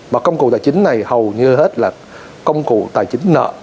và công cụ tài chính này hầu như hết là công cụ tài chính nợ